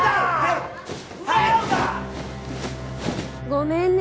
ごめんね。